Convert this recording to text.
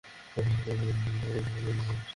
সে কি কোন সুপারস্টার?